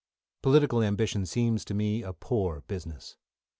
Political ambition seems to me a poor business.